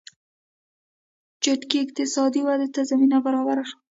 چټکې اقتصادي ودې ته زمینه برابره شوه.